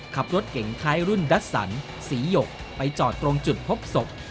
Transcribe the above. ขับรถเก่งคล้ายรุ่นดัสสันสีหยกไปจอดตรงจุดพบศพ